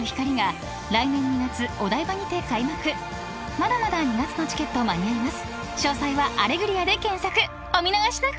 ［まだまだ２月のチケット間に合います］